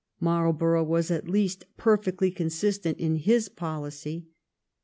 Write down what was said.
Marl borough was at least perfectly consistent in his policy.